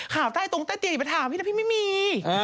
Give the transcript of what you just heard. ข่าวใต้ตรวงใต้เตียงไปถามแล้วพี่ไม่มี